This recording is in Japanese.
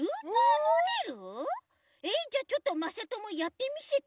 えっじゃあちょっとまさともやってみせて。